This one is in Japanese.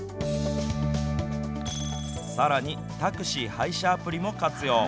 さらにタクシー配車アプリも活用。